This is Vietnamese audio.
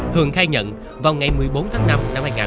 hường khai nhận vào ngày một mươi bốn tháng năm năm hai nghìn một mươi hai